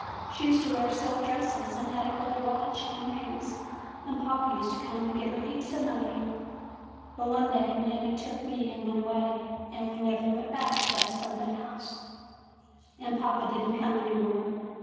She used to wear silk dresses and had a gold watch and rings, and papa used to come and give her heaps of money. But one day Mammy took me and went away, and we never went back to the splendid house, and [ 67 ] AN EASTER LILY papa did not come any more.